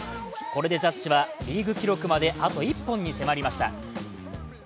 これでジャッジはリーグ記録まであと１本に迫りました。